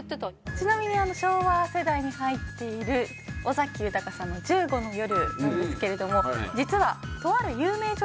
ちなみに昭和世代に入っている尾崎豊さんの『１５の夜』なんですけれども実はとある。